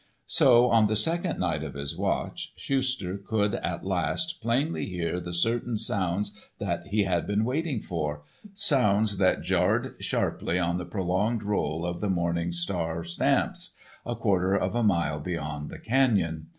So, on the second night of his watch, Schuster could at last plainly hear the certain sounds that he had been waiting for—sounds that jarred sharply on the prolonged roll of the Morning Star stamps, a quarter of a mile beyond the canyon.